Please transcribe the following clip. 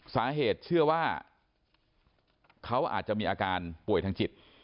เชื่อว่าเขาอาจจะมีอาการป่วยทางจิต